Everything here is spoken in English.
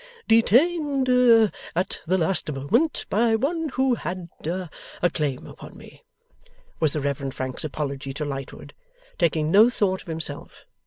'Detained at the last moment by one who had a claim upon me,' was the Reverend Frank's apology to Lightwood, taking no thought of himself.